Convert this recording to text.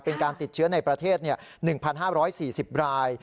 เป็นการติดเชื้อในประเทศ๑๕๔๐ราย